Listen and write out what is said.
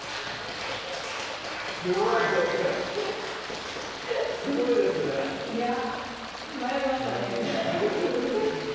すごい先生すごいですねいやぁ迷いましたね